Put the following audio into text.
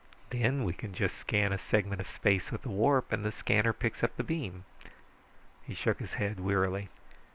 Then we can just scan a segment of space with the warp, and the scanner picks up the beam." He shook his head wearily.